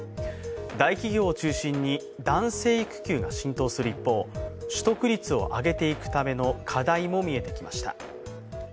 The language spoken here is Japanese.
大企業を中心に、男性育休が浸透する一方、取得率を上げていくための課題もみえてきました。